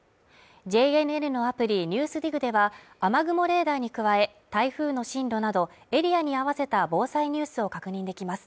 ＪＮＮのアプリ「ＮＥＷＳＤＩＧ」では雨雲レーダーに加え、台風の進路などエリアに合わせた防災ニュースを確認できます。